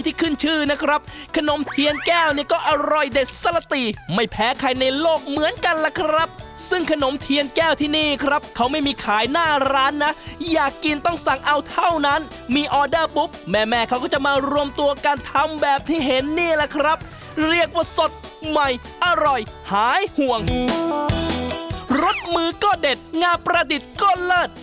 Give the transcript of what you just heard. ที่เห็นนี่แหละครับเรียกว่าสดใหม่อร่อยหายห่วงรถมือก็เด็ดงาประดิษฐ์ก็เลิศ